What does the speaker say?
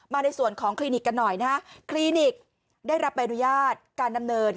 ในส่วนของคลินิกกันหน่อยนะฮะคลินิกได้รับใบอนุญาตการดำเนิน